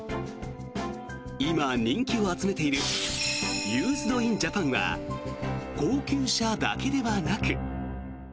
今、人気を集めているユーズド・イン・ジャパンは高級車だけではなく。